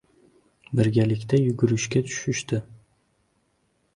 birgalikda yugurishga tushishdi.